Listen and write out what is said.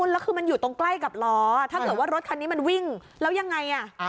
แล้วคือมันอยู่ตรงใกล้กับล้อถ้าเกิดว่ารถคันนี้มันวิ่งแล้วยังไง